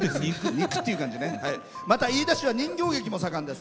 また、飯田市は人形劇も盛んです。